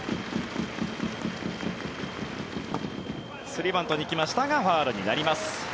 スリーバントに行きましたがファウルになります。